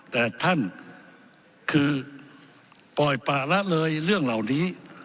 แต่ท่านคือปล่อยปะละเลยเรื่องเหล่านี้